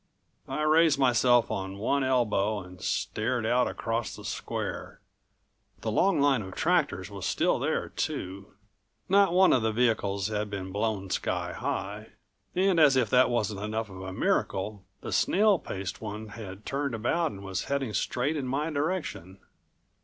I raised myself on one elbow and stared out across the square. The long line of tractors was still there, too. Not one of the vehicles had been blown sky high. And as if that wasn't enough of a miracle the snail paced one had turned about and was heading straight in my direction.